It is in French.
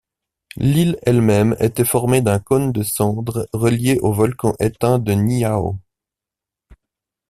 L'île elle-même était formée d'un cône de cendres relié au volcan éteint de Ni'ihau.